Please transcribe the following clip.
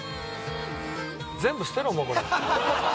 全部捨てろもうこれ。